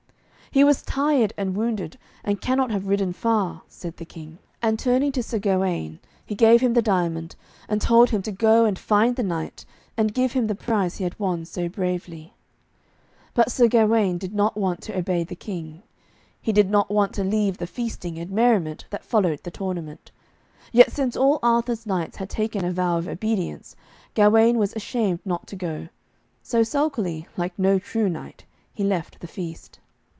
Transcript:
'He was tired and wounded, and cannot have ridden far,' said the King. And turning to Sir Gawaine, he gave him the diamond, and told him to go and find the knight and give him the prize he had won so bravely. But Sir Gawaine did not want to obey the King. He did not want to leave the feasting and merriment that followed the tournament. Yet since all Arthur's knights had taken a vow of obedience, Gawaine was ashamed not to go, so sulkily, like no true knight, he left the feast.